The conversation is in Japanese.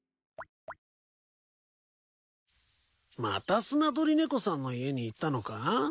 またスナドリネコさんの家に行ったのか？